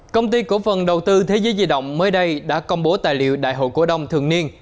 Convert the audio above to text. công ty cổ phần đầu tư thế giới di động mới đây đã công bố tài liệu đại hội cổ đông thường niên